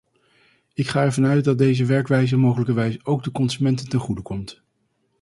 Ik ga ervan uit dat deze werkwijze mogelijkerwijs ook de consument ten goede komt.